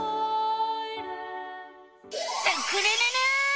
スクるるる！